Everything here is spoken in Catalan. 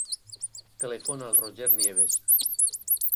Telefona al Roger Nieves.